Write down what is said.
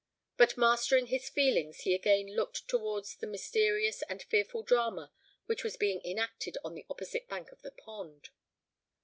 But, mastering his feelings, he again looked towards the mysterious and fearful drama which was being enacted on the opposite bank of the pond.